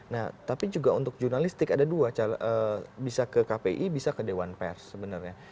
nah tapi juga untuk jurnalistik ada dua bisa ke kpi bisa ke dewan pers sebenarnya